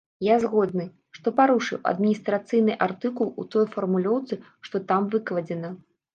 Я згодны, што парушыў адміністрацыйны артыкул у той фармулёўцы, што там выкладзена.